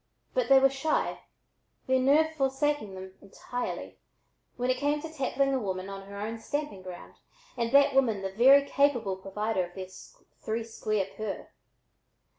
But they were shy, their nerve forsaking them entirely, when it came to tackling a woman on her own stamping ground, and that woman the very capable provider of their "three square per."